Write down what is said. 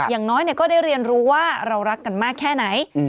อย่างน้อยก็ได้เรียนรู้ว่าเรารักกันมากแค่ไหน